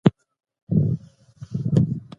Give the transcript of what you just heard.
که موږ دوه ټولنې پرتله کړو نو توپیر مومو.